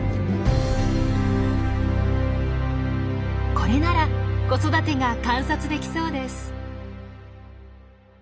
これなら子育てが観察できそうです。